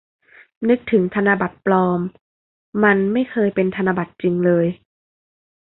นึกถึงธนบัตรปลอม มันไม่เคยเป็นธนบัตรจริงเลย